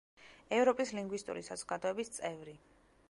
ევროპის ლინგვისტური საზოგადოების წევრი.